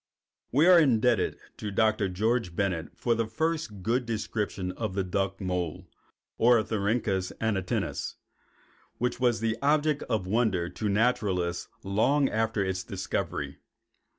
We are indebted to Dr. George Bennett for the first good description of the duck mole (Ornithorhynchus anatinus) which was an object of wonder to naturalists long after its discovery.